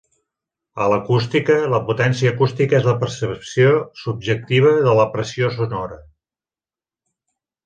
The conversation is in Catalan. A l'acústica, la potència acústica és la percepció subjectiva de la pressió sonora.